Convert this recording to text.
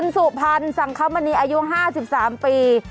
สรรคมณีอายุ๕๓ปี